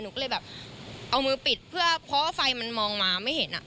หนูก็เลยแบบเอามือปิดเพื่อพอไฟมันมองมาไม่เห็น